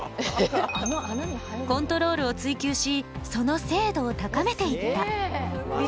コントロールを追求しその精度を高めていった。